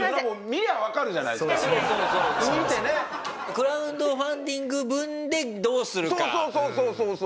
クラウドファンディング分でどうするか。